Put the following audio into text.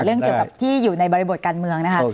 เรื่องเกี่ยวกับที่อยู่ในบริบทการเมืองนะคะ